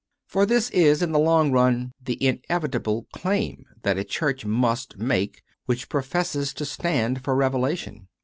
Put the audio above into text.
For this is, in the long run, the inevitable claim that a Church must make which professes to stand for Revelation.